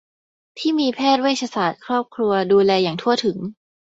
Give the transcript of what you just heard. ที่มีแพทย์เวชศาสตร์ครอบครัวดูแลอย่างทั่วถึง